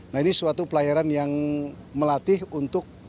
nah ini suatu pelayaran yang melatih untuk